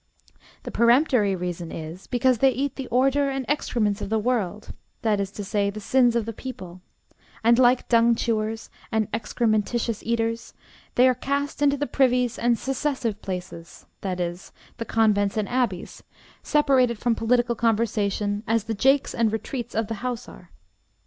The peremptory reason is, because they eat the ordure and excrements of the world, that is to say, the sins of the people, and, like dung chewers and excrementitious eaters, they are cast into the privies and secessive places, that is, the convents and abbeys, separated from political conversation, as the jakes and retreats of a house are.